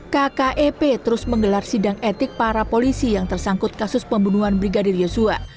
kkep terus menggelar sidang etik para polisi yang tersangkut kasus pembunuhan brigadir yosua